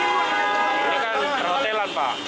ini kan perhotelan pak